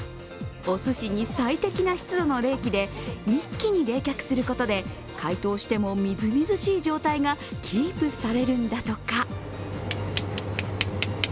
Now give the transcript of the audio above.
おすしに最適な湿度の冷気で一気に冷却することで解凍してもみずみずしい状態がキープされるんだとか。